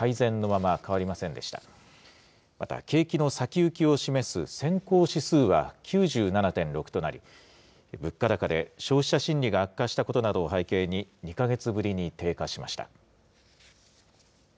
また、景気の先行きを示す先行指数は９７．６となり、物価高で消費者心理が悪化したことなどを背景に、２か月ぶりに低下しました。